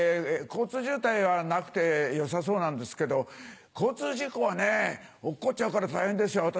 交通渋滞はなくて良さそうなんですけど交通事故はねぇ落っこっちゃうから大変ですよ。